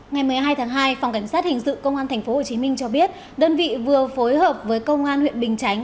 ngày một mươi hai tháng hai phòng cảnh sát hình sự công an tp hcm cho biết đơn vị vừa phối hợp với công an huyện bình chánh